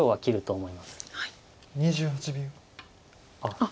あっ！